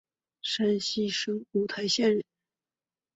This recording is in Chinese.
山西省五台县人。